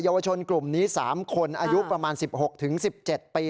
วชนกลุ่มนี้๓คนอายุประมาณ๑๖๑๗ปี